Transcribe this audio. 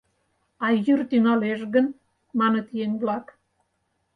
— А йӱр тӱҥалеш гын? — маныт еҥ-влак.